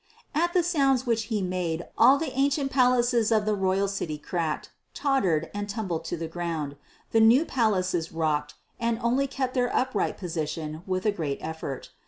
At the sounds which he made all the ancient palaces in the royal city cracked, tottered, and tumbled to the ground; the new palaces rocked, and only kept their upright position with a great effort.